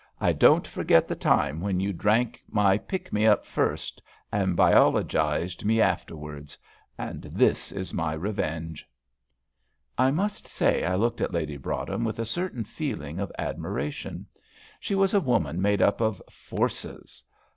I don't forget the time when you drank my 'pick me up' first, and biologised me afterwards. And this is my revenge." I must say I looked at Lady Broadhem with a certain feeling of admiration. She was a woman made up of "forces."